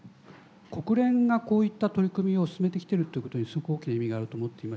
国連がこういった取り組みを進めてきているということにすごく意味があると思っていまして。